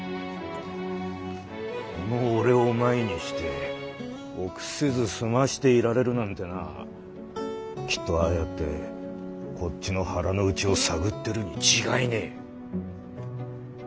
この俺を前にして臆せず澄ましていられるなんてなきっとああやってこっちの腹の内を探ってるに違いねえ。